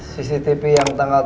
cctv yang tanggal tiga belas